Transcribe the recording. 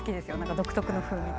独特の風味で。